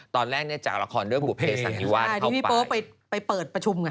ตอนแรกเนี่ยจากละครเรื่องบุภเพสันนิวาสใช่ที่พี่โป๊ไปไปเปิดประชุมไง